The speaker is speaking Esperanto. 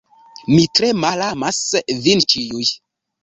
Mi tre malamas vin ĉiuj.